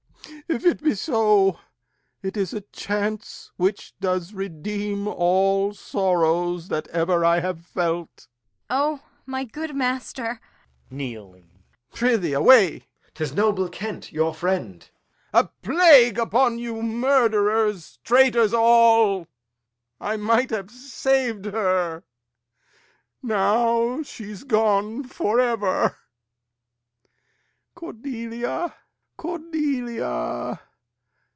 If it be so, It is a chance which does redeem all sorrows That ever I have felt. Kent. O my good master! Lear. Prithee away! Edg. 'Tis noble Kent, your friend. Lear. A plague upon you, murderers, traitors all! I might have sav'd her; now she's gone for ever! Cordelia, Cordelia!